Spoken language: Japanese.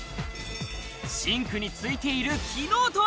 シンクについている機能とは？